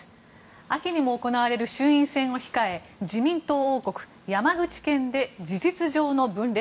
秋にも行われる衆院選を控え自民党王国、山口県で事実上の分裂。